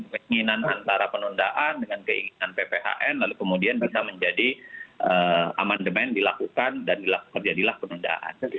keinginan antara penundaan dengan keinginan pphn lalu kemudian bisa menjadi amandemen dilakukan dan dilakukan jadilah penundaan